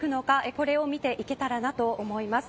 これを見ていけたらなと思います。